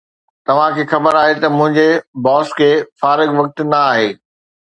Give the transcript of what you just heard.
توهان کي خبر آهي ته منهنجي باس کي فارغ وقت نه آهي